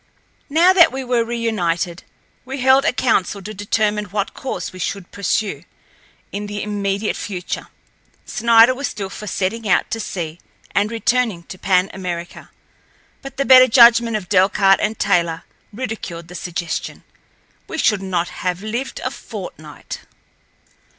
Now that we were reunited, we held a council to determine what course we should pursue in the immediate future. Snider was still for setting out to sea and returning to Pan America, but the better judgment of Delcarte and Taylor ridiculed the suggestion—we should not have lived a fortnight.